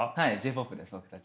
僕たち。